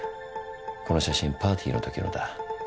この写真パーティーのときのだ。